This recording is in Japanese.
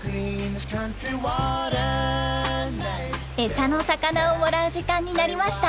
餌の魚をもらう時間になりました。